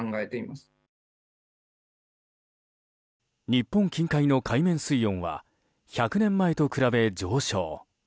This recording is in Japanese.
日本近海の海面水温は１００年前と比べ、上昇。